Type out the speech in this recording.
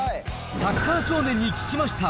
サッカー少年に聞きました。